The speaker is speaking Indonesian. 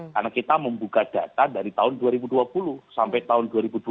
karena kita membuka data dari tahun dua ribu dua puluh sampai tahun dua ribu dua puluh dua